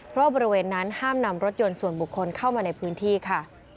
เพราะบริเวณนั้นห้ามนำรถยนต์ส่วนบุคคลเข้ามาในพื้นที่ค่ะ